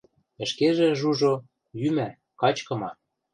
Ӹшкежӹ, Жужо, йӱмӓ, качкыма.